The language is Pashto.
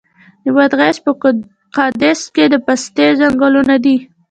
د بادغیس په قادس کې د پستې ځنګلونه دي.